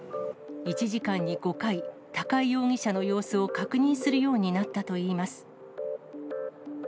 １時間に５回、高井容疑者の様子を確認するようになったといいます。